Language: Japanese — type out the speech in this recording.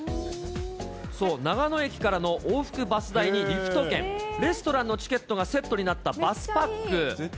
そう、長野駅からの往復バス代にリフト券、レストランのチケットがセットになったバスパック。